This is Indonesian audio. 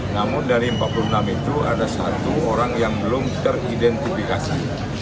namun dari empat puluh enam itu ada satu orang yang belum teridentifikasi